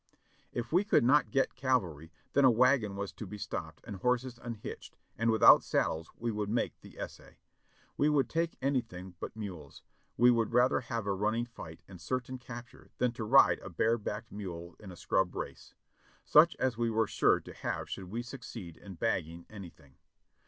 If we could not get cavalry, then a wagon was to be stopped and horses unhitched, and without saddles, we would make the essay; we would take anything but mules — we would rather have a running fight and certain capture than to ride a bare backed mule in a scrub race, such as we were sure to have should we succeed in bagging anything.